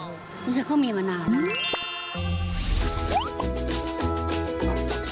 นี่จะเข้ามีมานานนะ